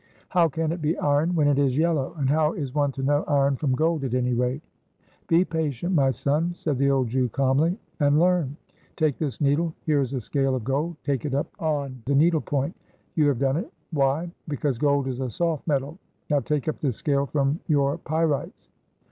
"How can it be iron when it is yellow? And how is one to know iron from gold, at any rate?" "Be patient, my son." said the old Jew calmly, "and learn. Take this needle. Here is a scale of gold; take it up on the needle point. You have done it. Why? Because gold is a soft metal. Now take up this scale from your pyrites?"